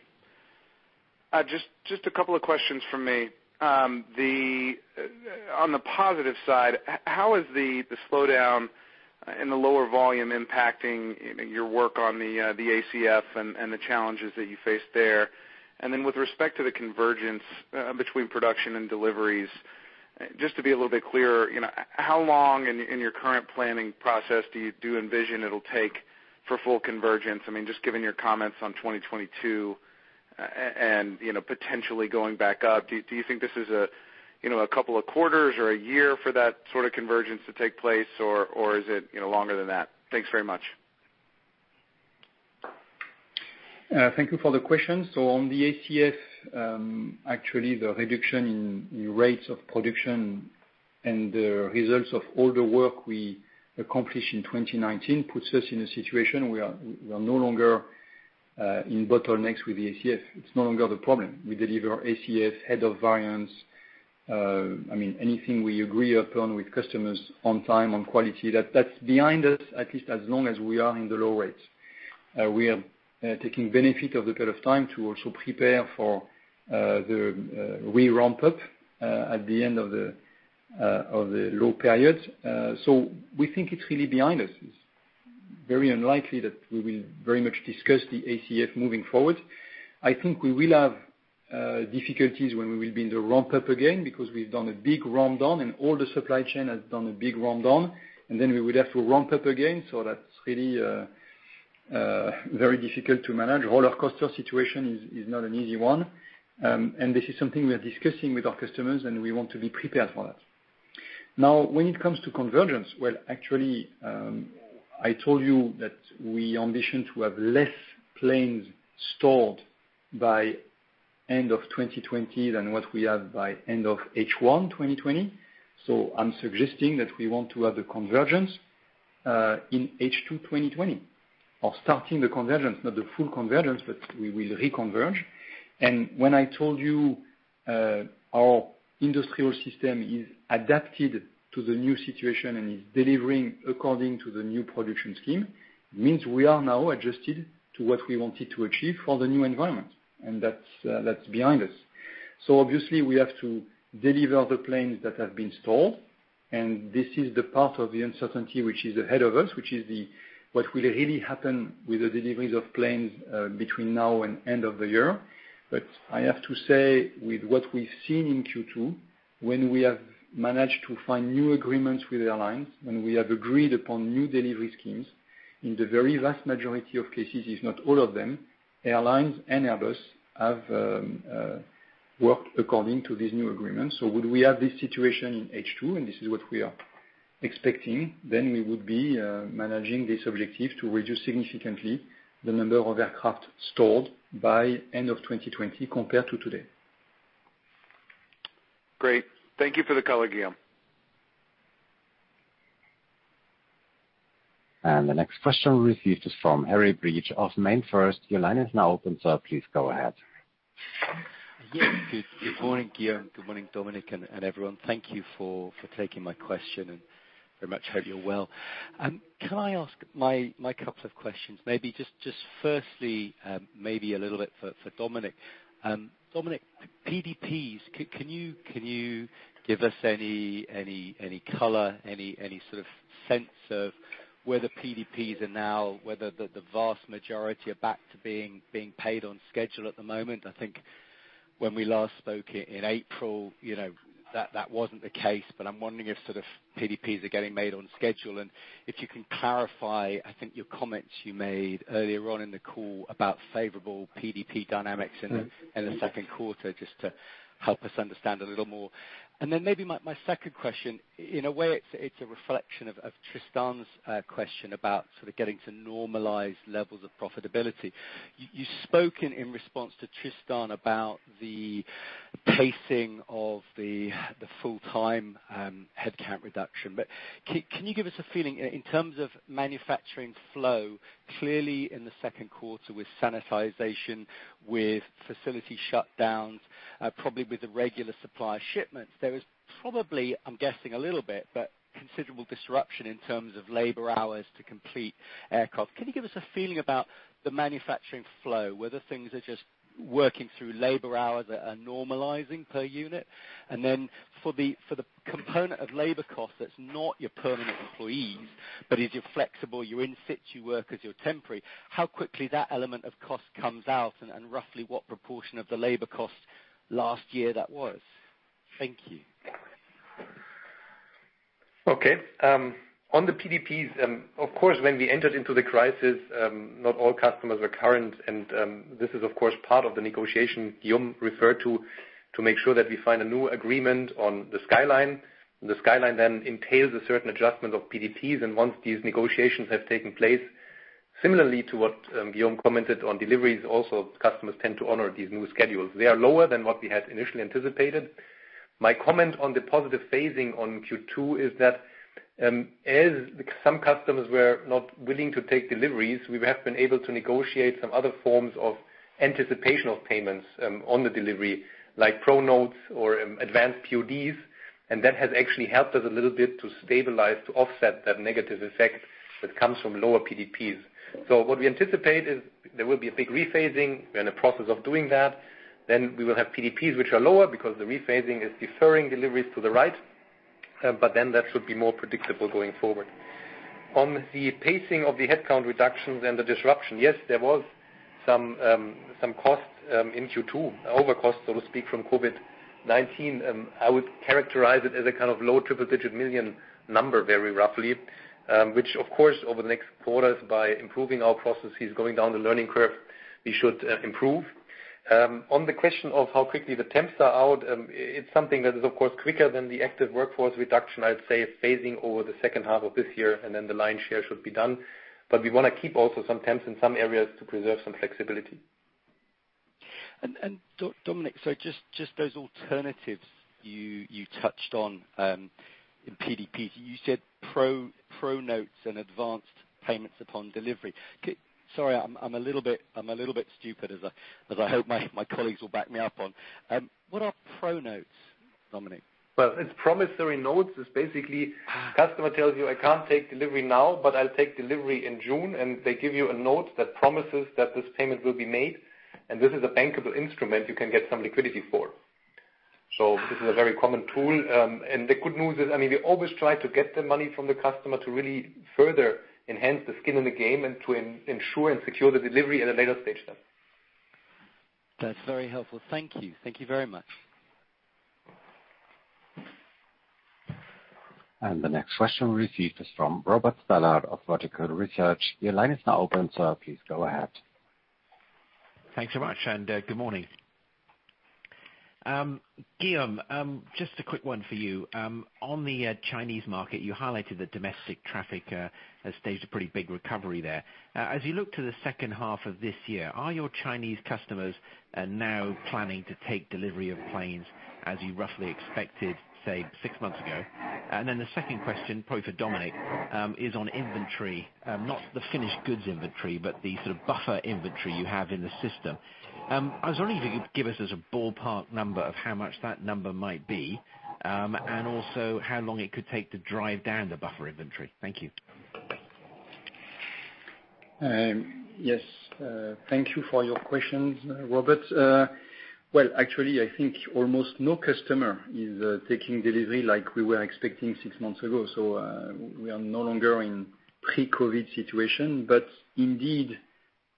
Just a couple of questions from me. On the positive side, how is the slowdown and the lower volume impacting your work on the ACF and the challenges that you face there? With respect to the convergence between production and deliveries, just to be a little bit clearer, how long in your current planning process do you envision it'll take for full convergence? I mean, just given your comments on 2022 and potentially going back up, do you think this is a couple of quarters or a year for that sort of convergence to take place, or is it longer than that? Thanks very much. Thank you for the question. On the ACF, actually, the reduction in rates of production and the results of all the work we accomplished in 2019 puts us in a situation we are no longer in bottlenecks with the ACF. It's no longer the problem. We deliver ACF ahead of variance. Anything we agree upon with customers on time, on quality, that's behind us, at least as long as we are in the low rates. We are taking benefit of the period of time to also prepare for the re-ramp-up at the end of the low periods. We think it's really behind us. It's very unlikely that we will very much discuss the ACF moving forward. I think we will have difficulties when we will be in the ramp-up again, because we've done a big ramp-down, and all the supply chain has done a big ramp-down, and then we will have to ramp up again, so that's really very difficult to manage. Roller coaster situation is not an easy one. This is something we are discussing with our customers, and we want to be prepared for that. When it comes to convergence, well, actually, I told you that we ambition to have less planes stored by end of 2020 than what we have by end of H1 2020. I'm suggesting that we want to have a convergence in H2 2020, of starting the convergence, not the full convergence, but we will reconverge. When I told you our industrial system is adapted to the new situation and is delivering according to the new production scheme, means we are now adjusted to what we wanted to achieve for the new environment, and that's behind us. Obviously, we have to deliver the planes that have been stored, and this is the part of the uncertainty which is ahead of us, which is what will really happen with the deliveries of planes between now and end of the year. I have to say, with what we've seen in Q2 When we have managed to find new agreements with airlines, when we have agreed upon new delivery schemes, in the very vast majority of cases, if not all of them, airlines and Airbus have worked according to these new agreements. Would we have this situation in H2? This is what we are expecting. We would be managing this objective to reduce significantly the number of aircraft stored by end of 2020, compared to today. Great. Thank you for the color, Guillaume. The next question received is from Harry Breach of MainFirst. Your line is now open, sir. Please go ahead. Yes. Good morning, Guillaume. Good morning, Dominik, and everyone. Thank you for taking my question, and very much hope you're well. Can I ask my couple of questions? Maybe just firstly, maybe a little bit for Dominik. Dominik, PDPs, can you give us any color, any sort of sense of where the PDPs are now? Whether the vast majority are back to being paid on schedule at the moment. I think when we last spoke in April, that wasn't the case, but I'm wondering if PDPs are getting made on schedule. If you can clarify, I think your comments you made earlier on in the call about favorable PDP dynamics in the second quarter, just to help us understand a little more. Then maybe my second question, in a way, it's a reflection of Tristan's question about sort of getting to normalized levels of profitability. You've spoken in response to Tristan about the pacing of the full-time headcount reduction. Can you give us a feeling in terms of manufacturing flow? Clearly, in the second quarter, with sanitization, with facility shutdowns, probably with the regular supply shipments, there is probably, I'm guessing a little bit, but considerable disruption in terms of labor hours to complete aircraft. Can you give us a feeling about the manufacturing flow, whether things are just working through labor hours that are normalizing per unit? For the component of labor cost that's not your permanent employees, but is your flexible, your in situ workers, your temporary, how quickly that element of cost comes out, and roughly what proportion of the labor cost last year that was? Thank you. Okay. On the PDPs, of course, when we entered into the crisis, not all customers were current, and this is, of course, part of the negotiation Guillaume referred to make sure that we find a new agreement on the skyline. The skyline then entails a certain adjustment of PDPs. Once these negotiations have taken place, similarly to what Guillaume commented on, deliveries also, customers tend to honor these new schedules. They are lower than what we had initially anticipated. My comment on the positive phasing on Q2 is that, as some customers were not willing to take deliveries, we have been able to negotiate some other forms of anticipational payments on the delivery, like pro notes or advanced PDPs. That has actually helped us a little bit to stabilize, to offset that negative effect that comes from lower PDPs. What we anticipate is there will be a big rephasing. We are in the process of doing that. We will have PDPs which are lower because the rephasing is deferring deliveries to the right. That should be more predictable going forward. On the pacing of the headcount reductions and the disruption, yes, there was some costs in Q2. Over costs, so to speak, from COVID-19. I would characterize it as a kind of low triple-digit million number, very roughly. Which, of course, over the next quarters, by improving our processes, going down the learning curve, we should improve. On the question of how quickly the temps are out, it's something that is, of course, quicker than the active workforce reduction. I'd say phasing over the second half of this year, and then the lion's share should be done. We want to keep also some time in some areas to preserve some flexibility. Dominik, just those alternatives you touched on, in PDPs. You said pro notes and advanced payments upon delivery. Sorry, I'm a little bit stupid, as I hope my colleagues will back me up on. What are pro notes, Dominik? Well, it's promissory notes. It's basically customer tells you, "I can't take delivery now, but I'll take delivery in June," and they give you a note that promises that this payment will be made. This is a bankable instrument you can get some liquidity for. This is a very common tool. The good news is, we always try to get the money from the customer to really further enhance the skin in the game and to ensure and secure the delivery at a later stage then. That's very helpful. Thank you. Thank you very much. The next question received is from Robert Stallard of Vertical Research. Your line is now open, sir. Please go ahead. Thanks so much, and good morning. Guillaume, just a quick one for you. On the Chinese market, you highlighted that domestic traffic has staged a pretty big recovery there. As you look to the second half of this year, are your Chinese customers now planning to take delivery of planes as you roughly expected, say, six months ago? Then the second question, probably for Dominik, is on inventory, not the finished goods inventory, but the sort of buffer inventory you have in the system. I was wondering if you could give us a ballpark number of how much that number might be, and also how long it could take to drive down the buffer inventory. Thank you. Thank you for your questions, Robert. Well, actually, I think almost no customer is taking delivery like we were expecting six months ago, so we are no longer in pre-COVID situation. But indeed,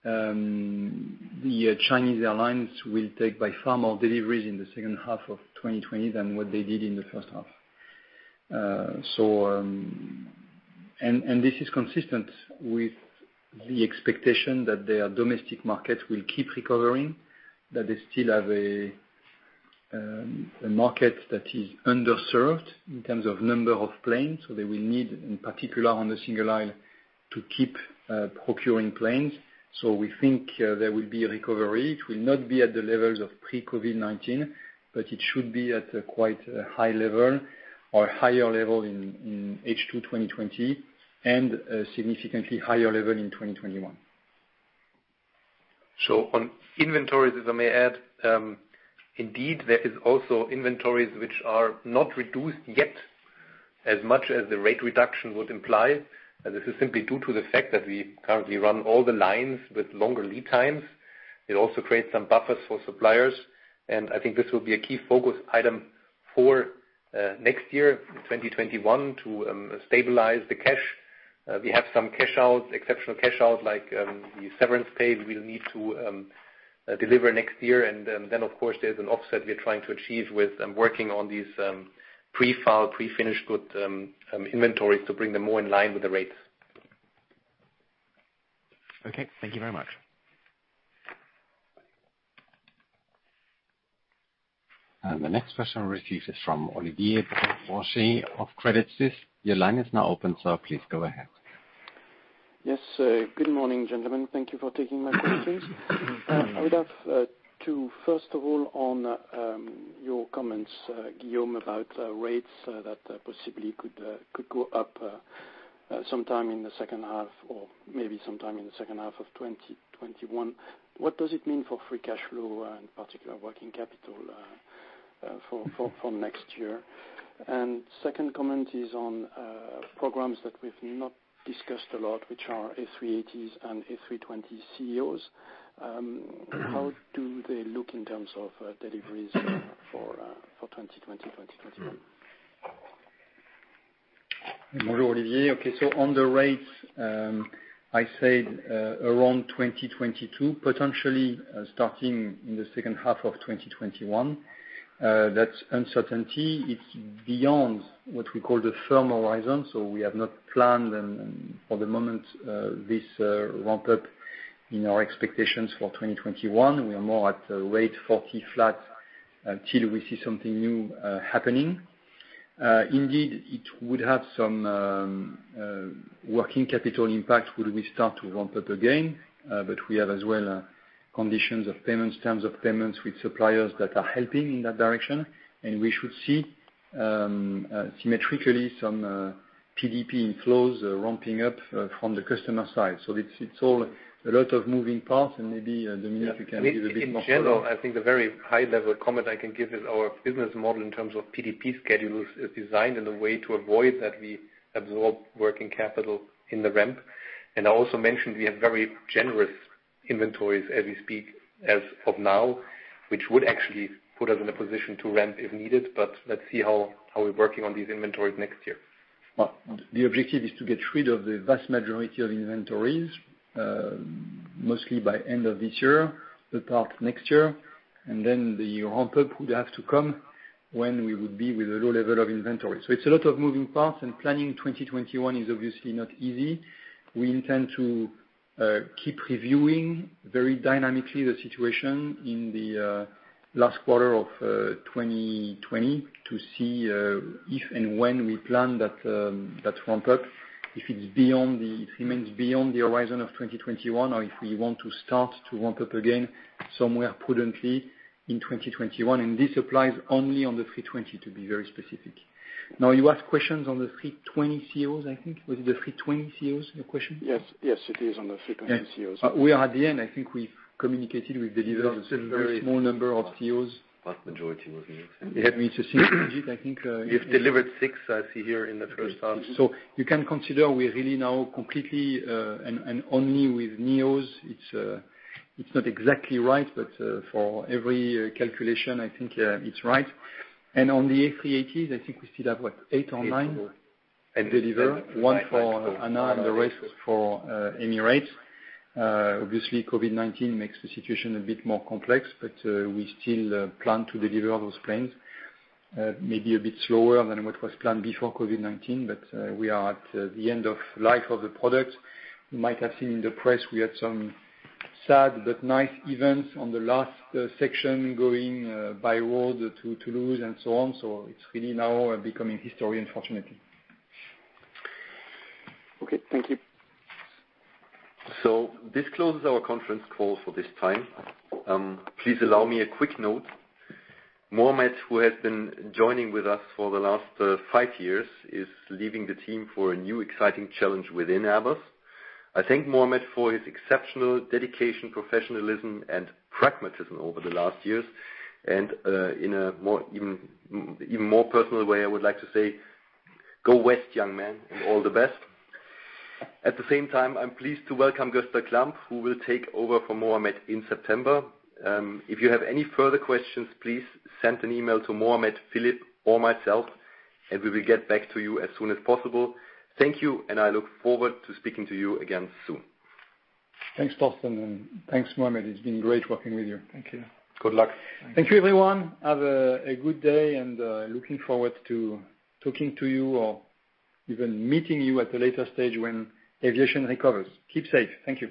the Chinese airlines will take by far more deliveries in the second half of 2020 than what they did in the first half. This is consistent with the expectation that their domestic market will keep recovering, that they still have a market that is underserved in terms of number of planes, so they will need, in particular, on the single-aisle to keep procuring planes. We think there will be a recovery. It will not be at the levels of pre-COVID-19, but it should be at a quite high level or higher level in H2 2020, and a significantly higher level in 2021. On inventories, I may add, indeed, there is also inventories which are not reduced yet as much as the rate reduction would imply. This is simply due to the fact that we currently run all the lines with longer lead times. It also creates some buffers for suppliers, and I think this will be a key focus item for next year, 2021, to stabilize the cash. We have some exceptional cash out, like the severance pay we will need to deliver next year. Then, of course, there's an offset we're trying to achieve with working on these pre-FAL, pre-finished goods inventories to bring them more in line with the rates. Okay. Thank you very much. The next question received is from Olivier Brochet of Credit Suisse. Your line is now open, so please go ahead. Yes. Good morning, gentlemen. Thank you for taking my questions. I would have to first of all, on your comments, Guillaume, about rates that possibly could go up sometime in the second half or maybe sometime in the second half of 2021. What does it mean for free cash flow, in particular working capital, for next year? Second comment is on programs that we've not discussed a lot, which are A380s and A320ceos. How do they look in terms of deliveries for 2020, 2021? On the rates, I said around 2022, potentially starting in the second half of 2021. That uncertainty, it's beyond what we call the firm horizon. We have not planned for the moment, this ramp-up in our expectations for 2021. We are more at rate 40 flat until we see something new happening. Indeed, it would have some working capital impact would we start to ramp up again. We have as well conditions of payments, terms of payments with suppliers that are helping in that direction. We should see symmetrically some PDP inflows ramping up from the customer side. It's all a lot of moving parts, and maybe, Dominik, you can give a bit more color. In general, I think the very high-level comment I can give is our business model in terms of PDP schedules is designed in a way to avoid that we absorb working capital in the ramp. I also mentioned we have very generous inventories as we speak as of now, which would actually put us in a position to ramp if needed. Let's see how we're working on these inventories next year. The objective is to get rid of the vast majority of inventories, mostly by end of this year, part next year. The ramp-up would have to come when we would be with a low level of inventory. It's a lot of moving parts, and planning 2021 is obviously not easy. We intend to keep reviewing very dynamically the situation in the last quarter of 2020 to see if and when we plan that ramp-up, if it remains beyond the horizon of 2021 or if we want to start to ramp up again somewhere prudently in 2021. This applies only on the A320 to be very specific. Now, you asked questions on the A320ceos, I think. Was it the A320ceos, your question? Yes. It is on the A320ceos. We are at the end. I think we've communicated, we've delivered a very small number of ceos. Vast majority was neos. You had me to see. I think. You've delivered six, I see here in the first half. You can consider we're really now completely and only with neos. It's not exactly right, but for every calculation, I think it's right. On the A380s, I think we still have what? Eight or nine to deliver. One for ANA, and the rest for Emirates. COVID-19 makes the situation a bit more complex, but we still plan to deliver those planes. Maybe a bit slower than what was planned before COVID-19, but we are at the end of life of the product. You might have seen in the press, we had some sad but nice events on the last section, going by road to Toulouse and so on. It's really now becoming history, unfortunately. Okay. Thank you. This closes our conference call for this time. Please allow me a quick note. Mohamed, who has been joining with us for the last five years, is leaving the team for a new exciting challenge within Airbus. I thank Mohamed for his exceptional dedication, professionalism and pragmatism over the last years. In an even more personal way, I would like to say, go west, young man, and all the best. At the same time, I'm pleased to welcome Goesta Klammt, who will take over for Mohamed in September. If you have any further questions, please send an email to Mohamed, Philip or myself, and we will get back to you as soon as possible. Thank you, and I look forward to speaking to you again soon. Thanks, Thorsten, and thanks, Mohamed. It's been great working with you. Thank you. Good luck. Thank you, everyone. Have a good day, and looking forward to talking to you or even meeting you at a later stage when aviation recovers. Keep safe. Thank you.